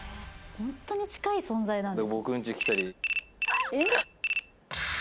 ホントに近い存在なんですね